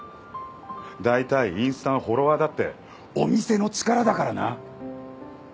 大体インスタのフォロワーだってお店の力だからな？